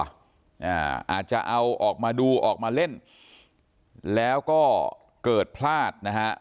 อาจจะเอาออกมาดูออกมาเล่นแล้วก็เกิดพลาดนะฮะ